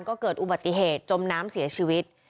ก็เกิดอุบัติเหตุจมน้ำเสียชีวิต